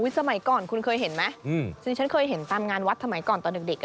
สมัยก่อนคุณเคยเห็นไหมซึ่งฉันเคยเห็นตามงานวัดสมัยก่อนตอนเด็ก